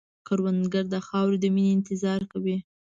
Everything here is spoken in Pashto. کروندګر د خاورې د مینې اظهار کوي